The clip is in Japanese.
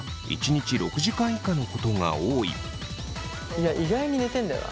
いや意外に寝てんだよな。